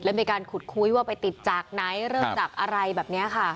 เล่นไปการขุดคุ้นว่าไปติดจากไหนเริ่มจากอะไรแบบเนี่ยคะ